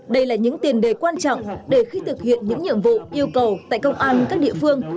đây là những tiền đề quan trọng để khi thực hiện những nhiệm vụ yêu cầu tại công an các địa phương